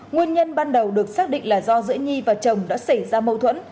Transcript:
nguyên nhân ban đầu được xác định là do giữa nhi và chồng đã xảy ra mâu thuẫn